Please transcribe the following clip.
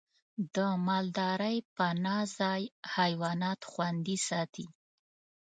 د مالدارۍ پناه ځای حیوانات خوندي ساتي.